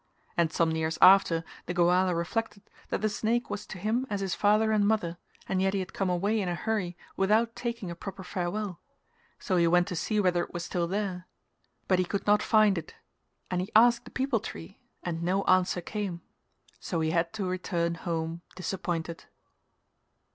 And some years after the Goala reflected that the snake was to him as his father and mother and yet he had come away in a hurry without taking a proper farewell, so he went to see whether it was still there; but he could not find it and he asked the peepul tree and no answer came so he had to return home disappointed.